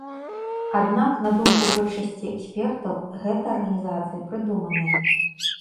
Аднак, на думку большасці экспертаў, гэта арганізацыя прыдуманая.